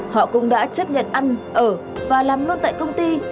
họ cũng đã chấp nhận ăn ở và làm luôn tại công ty